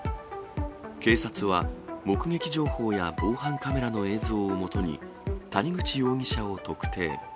警察は、目撃情報や防犯カメラの映像をもとに、谷口容疑者を特定。